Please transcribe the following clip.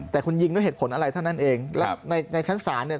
แต่คุณยิงด้วยเหตุผลอะไรเท่านั้นเองแล้วในในชั้นศาลเนี่ย